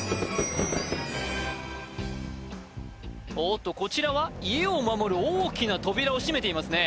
おっとこちらは家を守る大きな扉を閉めていますね